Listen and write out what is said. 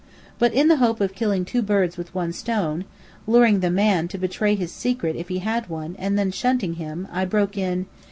But in the hope of killing two birds with one stone (luring the man to betray his secret if he had one, and then shunting him), I broke in.